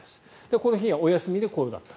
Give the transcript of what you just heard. この日、お休みでこれだった。